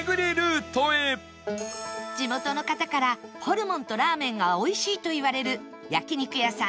地元の方からホルモンとラーメンがおいしいといわれる焼肉屋さん